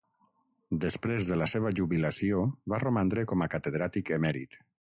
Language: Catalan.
Després de la seva jubilació va romandre com a Catedràtic Emèrit.